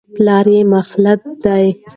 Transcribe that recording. پلار یې ملحد دی.